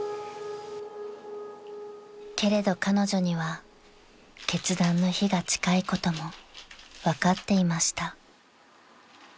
［けれど彼女には決断の日が近いことも分かっていました］